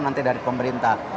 nanti dari pemerintah